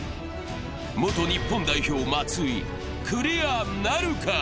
元日本代表・松井、クリアなるか。